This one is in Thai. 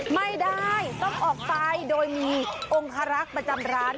ไม่ได้ต้องออกไปโดยมีองคารักษ์ประจำร้าน